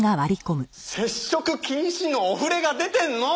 接触禁止のお触れが出てんの！